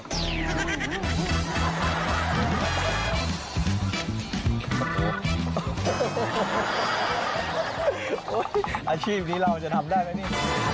อาชีพนี้เราจะทำได้ไหมนี่